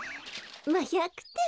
まあ１００てん。